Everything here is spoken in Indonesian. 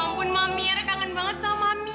ya ampun mami eres kangen banget sama mami